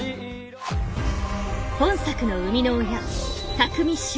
本作の生みの親巧舟。